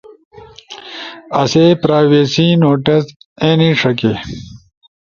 آسے پرائیویسی نوٹس اینی ݜکے۔